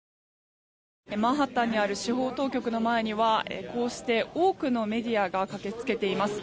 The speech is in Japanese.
マンハッタンにある司法当局の前にはこうして多くのメディアが駆けつけています。